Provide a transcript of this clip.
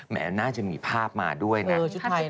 น่าจะมีภาพมาด้วยนะ